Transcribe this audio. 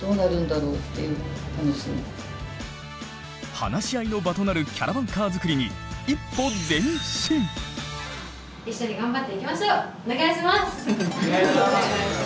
話し合いの場となるキャラバンカー作りにお願いします！